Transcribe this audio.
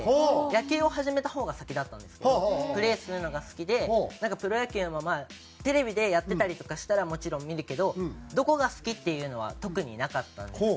野球を始めた方が先だったんですけどプレーするのが好きでなんかプロ野球もテレビでやってたりとかしたらもちろん見るけどどこが好きっていうのは特になかったんです。